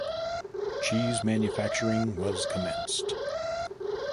Cheese manufacturing was commenced.